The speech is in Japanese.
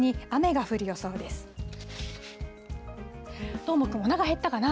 どーもくん、おなか減ったかな。